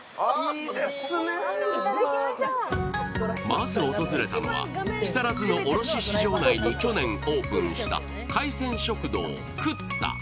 まず訪れたのは木更津の卸市場内に去年オープンした海鮮食堂ＫＵＴＴＡ。